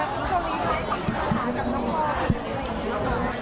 หรือกับท่องพ่อ